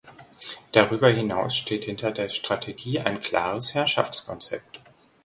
Darüber hinaus steht hinter der Strategie ein klares Herrschaftskonzept.